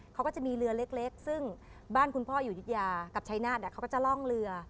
เขาก็จะมีเรือเล็กซึ่งบ้านคุณพ่ออยู่ยุธยากับชายนาฏเขาก็จะล่องเรือ